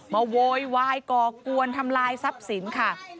โวยวายก่อกวนทำลายทรัพย์สินค่ะ